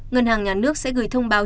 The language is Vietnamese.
ngân hàng nhà nước sẽ gửi thông báo